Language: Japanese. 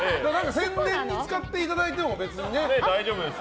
宣伝に使っていただいても別にね。